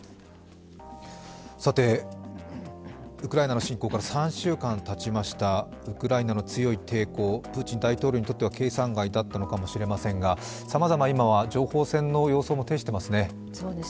ウクライナの侵攻から３週間たちました、ウクライナの強い抵抗、プーチン大統領にとっては計算外だったのかもしれませんが様々今は情報戦の様相も呈していますね。